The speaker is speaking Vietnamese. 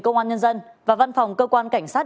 công an nhân dân và văn phòng cơ quan cảnh sát